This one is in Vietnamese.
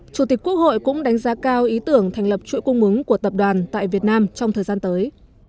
chủ tịch quốc hội cũng đánh giá cao ý tưởng thành lập chuỗi cung ứng của tập đoàn tại việt nam trong thời gian tới